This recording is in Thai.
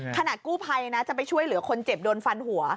ขณะกู้ภัยนะจะไปช่วยเหลือคนเจ็บโดนฟันหัว